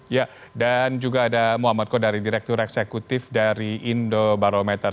ya dan juga ada muhammad kodari direktur eksekutif dari indo barometer